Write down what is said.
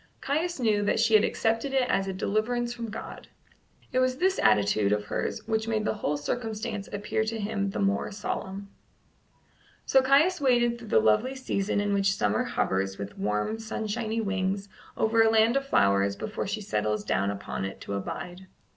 Caius knew that she had accepted it as a deliverance from God. It was this attitude of hers which made the whole circumstance appear to him the more solemn. So Caius waited through the lovely season in which summer hovers with warm sunshiny wings over a land of flowers before she settles down upon it to abide.